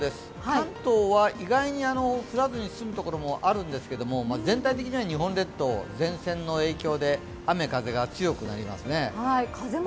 関東は意外に降らずに済む所もあるんですが、全体的に日本列島、前線の影響で雨・風が強くなりますね。